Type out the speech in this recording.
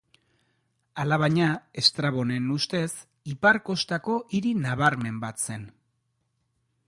Alabaina, Estrabonen ustez, ipar kostako hiri nabarmen bat zen.